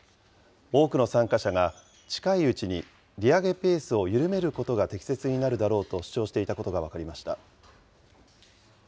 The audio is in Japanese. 多くの参加者が、近いうちに利上げペースを緩めることが適切になるだろうと主張していたことが分かりました。